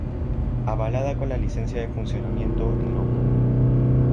Avalada con la licencia de funcionamiento No.